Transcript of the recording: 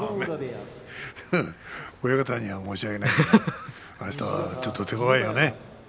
親方には申し訳ないけどあすは手ごわいよね。